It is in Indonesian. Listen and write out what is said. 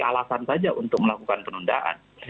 alasan saja untuk melakukan penundaan